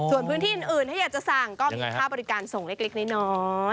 ส่วนพื้นที่อื่นถ้าอยากจะสั่งก็มีค่าบริการส่งเล็กน้อย